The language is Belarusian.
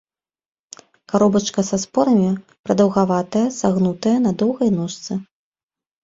Каробачка са спорамі прадаўгаватая, сагнутая, на доўгай ножцы.